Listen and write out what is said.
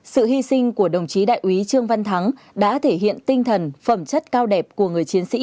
sự hy sinh của đồng chí đại úy trương văn thắng đã thể hiện tinh thần phẩm chất cao đẹp của người chiến sĩ